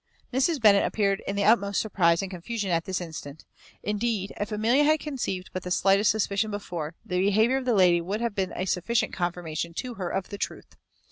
Mrs. Bennet appeared in the utmost surprize and confusion at this instant. Indeed, if Amelia had conceived but the slightest suspicion before, the behaviour of the lady would have been a sufficient confirmation to her of the truth.